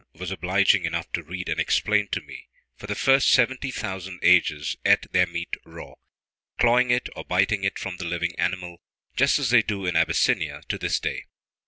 was obliging enough to read and explain to me, for the first seventy thousand ages ate their meat raw, clawing it or biting it from the living animal, just as they do in Abyssinia to this day.